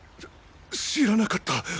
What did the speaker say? し知らなかった。